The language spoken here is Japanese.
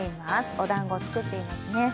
おだんごを作っていますね。